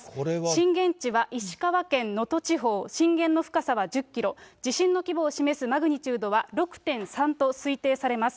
震源地は石川県能登地方、震源の深さは１０キロ、地震の規模を示すマグニチュードは６．３と推定されます。